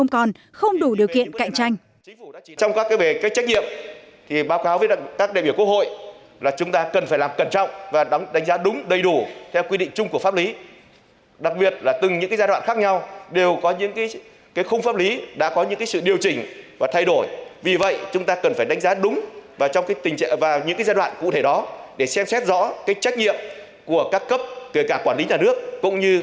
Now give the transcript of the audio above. các dự án không còn không đủ điều kiện cạnh tranh